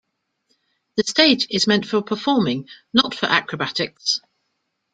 The stage is meant for performing not for acrobatics.